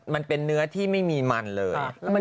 มันเป็นเนื้อที่ไม่มีมันเลย